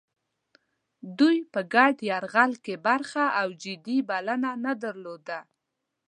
دوی په ګډ یرغل کې برخه او جدي بلنه نه درلوده.